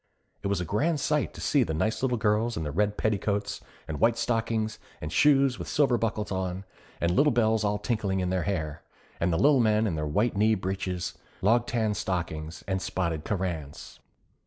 It was a grand sight to see the nice little girls in their red petticoats, and white stockings and shoes with silver buckles on, and little bells all tinkling in their hair; and the Lil Men in their white knee breeches, loghtan stockings and spotted carranes.